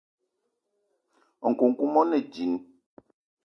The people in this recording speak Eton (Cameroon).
Nkoukouma one djinn.